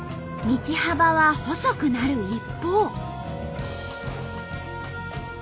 道幅は細くなる一方。